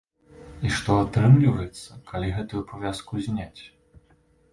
І што атрымліваецца, калі гэтую павязку зняць.